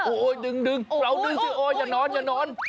โอ้โหดึงเราดึงสิโอ้อย่านอนอย่านอน